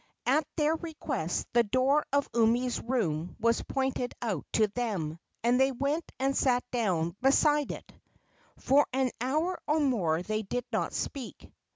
At their request the door of Umi's room was pointed out to them, and they went and sat down beside it. For an hour or more they did not speak.